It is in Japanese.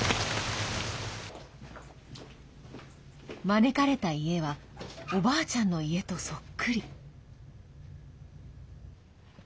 招かれた家はおばあちゃんの家とそっくり。